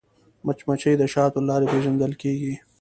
مچمچۍ د شاتو له لارې پیژندل کېږي